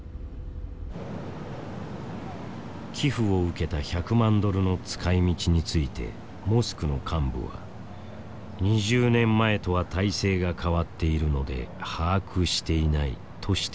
寄付を受けた１００万ドルの使いみちについてモスクの幹部は「２０年前とは体制が変わっているので把握していない」としている。